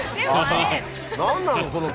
何なの？